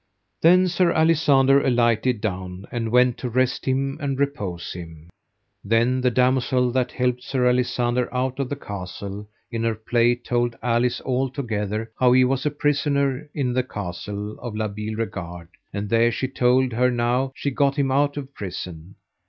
Then Sir Alisander alighted down, and went to rest him and repose him. Then the damosel that helped Sir Alisander out of the castle, in her play told Alice all together how he was prisoner in the castle of La Beale Regard, and there she told her how she got him out of prison.